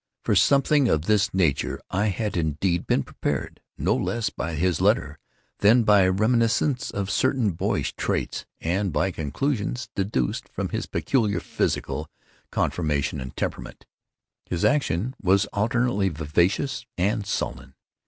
For something of this nature I had indeed been prepared, no less by his letter, than by reminiscences of certain boyish traits, and by conclusions deduced from his peculiar physical conformation and temperament. His action was alternately vivacious and sullen.